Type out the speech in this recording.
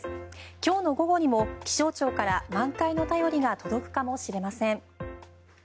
今日の午後にも気象庁から満開の便りが届くかもしれません。